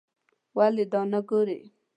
ولې دا نه ګورې.